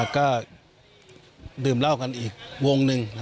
ก็ดื่มเหล้ากันอีกวงหนึ่ง